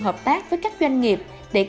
hợp tác với các doanh nghiệp để